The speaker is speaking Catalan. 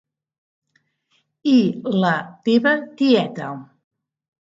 I la teva tieta.